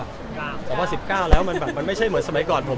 สิบเก้าสมัยสิบเก้าแล้วมันไม่ใช่เหมือนสมัยก่อนผม